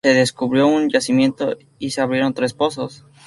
Se descubrió un yacimiento y se abrieron tres pozos.